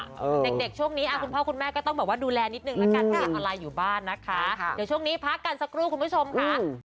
เด็กช่วงนี้คุณพ่อคุณแม่ก็ต้องแบบว่าดูแลนิดนึงแล้วกันเรียนออนไลน์อยู่บ้านนะคะเดี๋ยวช่วงนี้พักกันสักครู่คุณผู้ชมค่ะ